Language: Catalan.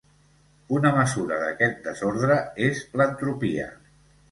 Una mesura d'aquest desordre és l'entropia.